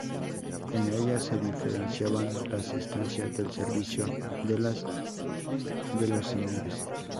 En ellas se diferenciaban las estancias del servicio de las de los señores.